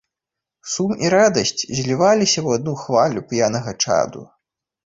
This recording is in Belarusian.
Сум і радасць зліваліся ў адну хвалю п'янага чаду.